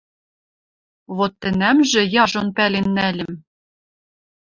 Вот тӹнӓмжӹ яжон пӓлен нӓльӹм: